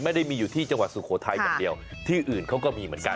ไม่ได้มีอยู่ที่จังหวัดสุโขทัยอย่างเดียวที่อื่นเขาก็มีเหมือนกัน